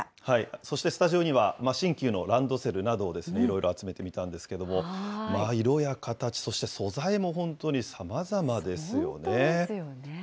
そしてスタジオには、新旧のランドセルなどをいろいろ集めてみたんですけれども、まあ、色や形、そして素材も本当にさまざま本当ですよね。